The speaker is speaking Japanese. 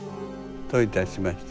どういたしまして。